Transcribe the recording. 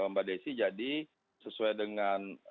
mbak desi jadi sesuai dengan